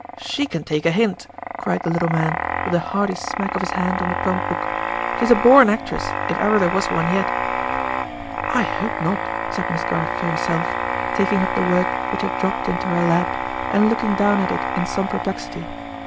"She can take a hint!" cried the little man, with a hearty smack of his hand on the prompt book. "She's a born actress, if ever there was one yet!" "I hope not," said Miss Garth to herself, taking up the work which had dropped into her lap, and looking down at it in some perplexity.